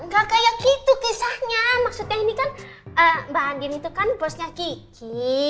gak kayak gitu kisahnya maksudnya ini kan mbak angin itu kan bosnya gigi